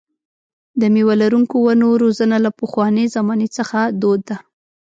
د مېوه لرونکو ونو روزنه له پخوانۍ زمانې څخه دود ده.